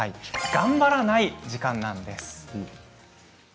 頑張らない時間なんです。